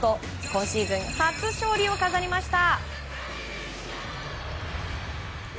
今シーズン初勝利を飾りました。